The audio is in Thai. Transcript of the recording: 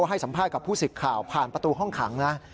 ให้สัมภาษณ์กับผู้สิทธิ์ข่าวผ่านประตูห้องขังนะ